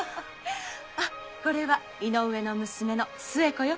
あこれは井上の娘の末子よ。